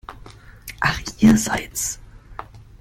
Ach, ihr seid's!